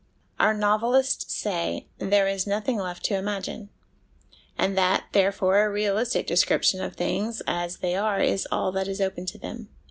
Our novelists say there is nothing left to imagine; and that, therefore, a realistic description of things as they are is all that is open to them.